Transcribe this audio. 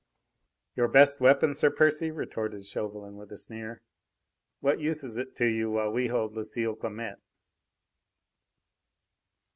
"Your best weapon, Sir Percy!" retorted Chauvelin, with a sneer. "What use is it to you while we hold Lucile Clamette?"